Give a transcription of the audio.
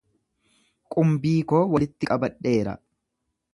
Qumbii koo walitti qabadheera.